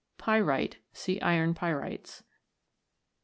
Pyrite. See Iron Pyrites.